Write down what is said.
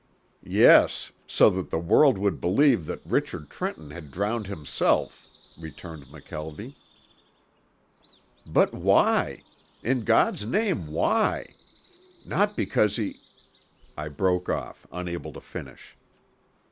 "Yes, so that the world would believe that Richard Trenton had drowned himself," returned McKelvie. "But why? In God's name why? Not because he " I broke off, unable to finish.